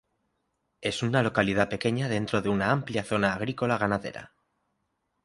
Es una localidad pequeña dentro de una amplia zona agrícola-ganadera.